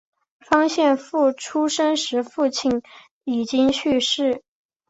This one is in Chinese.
方献夫出生时父亲已经去世。